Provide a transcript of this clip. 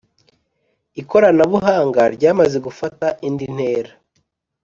ikoranabuhanga ryamaze gufata indi ntera